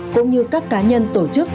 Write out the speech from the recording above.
cũng như các cá nhân tổ chức